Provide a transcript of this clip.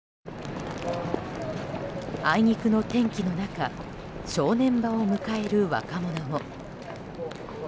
あいにくの天気の中正念場を迎える若者も。